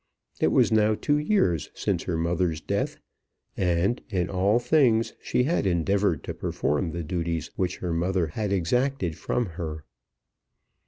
It was now two years since her mother's death, and in all things she had endeavoured to perform the duties which her mother had exacted from her.